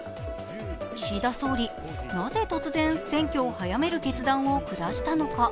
岸田総理、なぜ突然、選挙を早める決断を下したのか。